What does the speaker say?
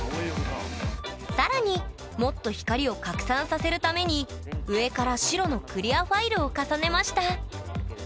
更にもっと光を拡散させるために上から白のクリアファイルを重ねました。